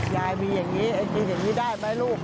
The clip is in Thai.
ยายมีอย่างนี้ไอ้กินอย่างนี้ได้ไหมลูก